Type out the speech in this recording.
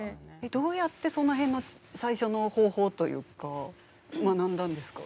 どうやってその辺の最初の方法というか学んだんですか？